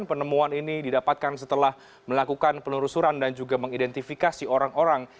penemuan ini didapatkan setelah melakukan penelusuran dan juga mengidentifikasi orang orang